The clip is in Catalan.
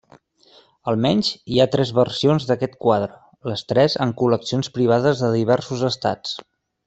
Almenys hi ha tres versions d'aquest quadre, les tres en col·leccions privades de diversos estats.